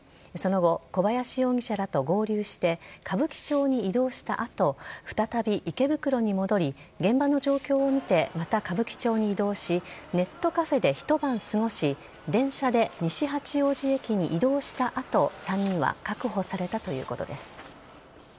その後、小林容疑者らと合流して歌舞伎町に移動したあと、再び池袋に戻り、現場の状況を見てまた歌舞伎町に移動し、ネットカフェで一晩過ごし、電車で西八王子駅に移動したあと、３人は確保されたということです。